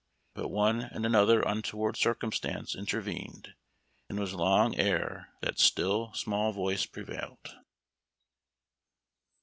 But one and another untoward circumstance intervened, and it was long ere that " still, small voice " prevailed.